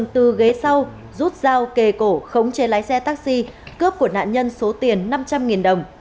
từ ghế sau rút dao kề cổ khống chế lái xe taxi cướp của nạn nhân số tiền năm trăm linh đồng